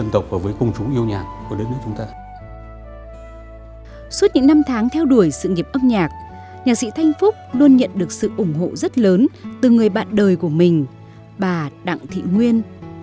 trong sự nghiệp âm nhạc nhạc sĩ thanh phúc luôn nhận được sự ủng hộ rất lớn từ người bạn đời của mình bà đặng thị nguyên